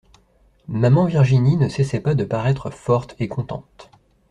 Maman Virginie ne cessait pas de paraître forte et contente.